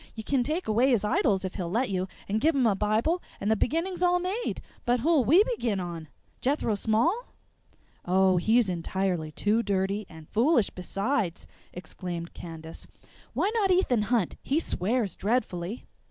You can take away his idols if he'll let you and give him a bible and the beginning's all made. But who'll we begin on? Jethro Small?" "Oh, he's entirely too dirty, and foolish besides!" exclaimed Candace. "Why not Ethan Hunt? He swears dreadfully."